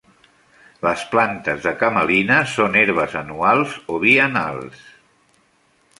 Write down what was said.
Les plantes de camelina són herbes anuals o biennals.